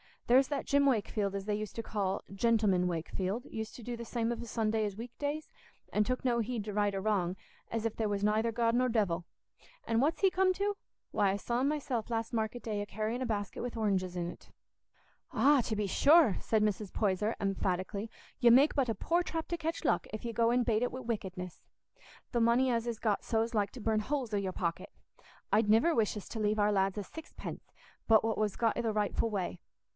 There's that Jim Wakefield, as they used to call 'Gentleman Wakefield,' used to do the same of a Sunday as o' weekdays, and took no heed to right or wrong, as if there was nayther God nor devil. An' what's he come to? Why, I saw him myself last market day a carrying a basket wi' oranges in't." "Ah, to be sure," said Mrs. Poyser, emphatically, "you make but a poor trap to catch luck if you go and bait it wi' wickedness. The money as is got so's like to burn holes i' your pocket. I'd niver wish us to leave our lads a sixpence but what was got i' the rightful way.